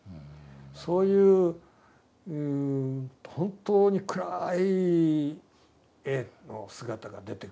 そういう本当に暗いＡの姿が出てくるんですよ。